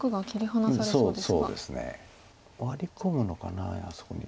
ワリ込むのかなあそこに。